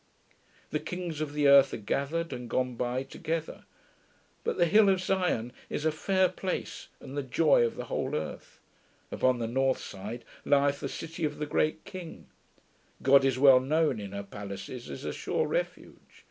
The kings of the earth are gathered and gone by together; but the hill of Sion is a fair place and the joy of the whole earth; upon the north side lieth the city of the great King; God is well known in her palaces as a sure refuge.